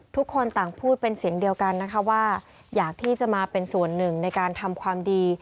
ทุกคนต่างพูดเป็นเสียงเดียวกันนะคะว่าอยากที่จะมาเป็นส่วนหนึ่งในการทำความดี